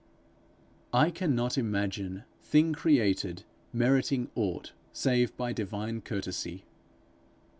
I cannot imagine thing created meriting aught save by divine courtesy.